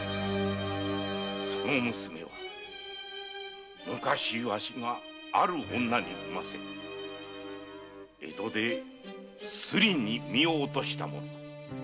その娘は昔わしがある女に産ませ江戸でスリに身を堕としたもの。